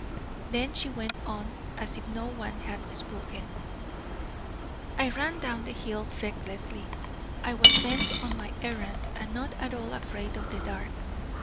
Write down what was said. Then she went on, as if no one had spoken: "I ran down the hill recklessly. I was bent on my errand and not at all afraid of the dark.